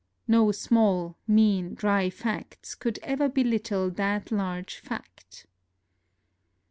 No small, mean, dry facts could ever belittle that large fact.